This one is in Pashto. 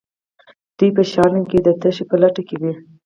دوی په شیانو کې د تشې په لټه کې وي.